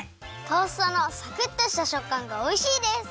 トーストのサクッとしたしょっかんがおいしいです！